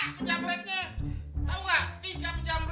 tau gak tiga pejamretnya tuh abis gue bukul bapak pelur